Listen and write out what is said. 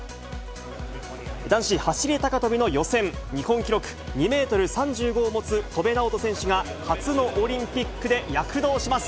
男子走り高跳びの予選、日本記録２メートル３５を持つ戸邉直人選手が、初のオリンピックで躍動します。